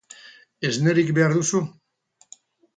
Esnerik behar duzu?